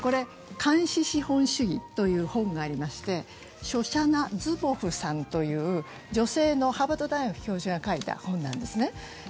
「監視資本主義」という本がありまして、ショシャナ・ズボフさんという、女性のハーバード大学教授が書いた本なんですね。